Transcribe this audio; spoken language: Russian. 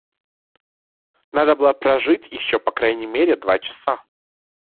Надо было прожить еще по крайней мере два часа.